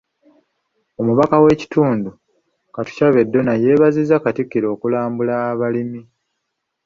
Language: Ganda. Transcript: Omubaka w’ekitundu, Katushabe Donah yeebazizza Katikkiro okulambula abalimi.